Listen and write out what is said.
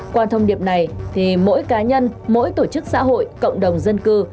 qua thông điệp này thì mỗi cá nhân mỗi tổ chức xã hội cộng đồng dân cư